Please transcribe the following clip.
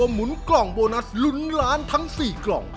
หลุนล้าน